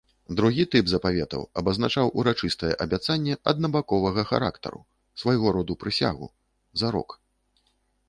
Другі тып запавету абазначаў урачыстае абяцанне аднабаковага характару, свайго роду прысягу, зарок.